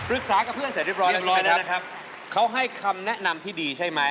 กับเพื่อนเสร็จเรียบร้อยแล้วนะครับเขาให้คำแนะนำที่ดีใช่ไหม